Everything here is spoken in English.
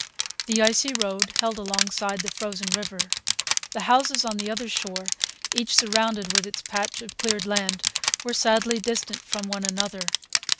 The icy road held alongside the frozen river. The houses on the other shore, each surrounded with its patch of cleared land, were sadly distant from one another.